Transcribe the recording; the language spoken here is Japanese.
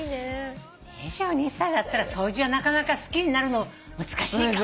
２２歳だったら掃除はなかなか好きになるの難しいかも。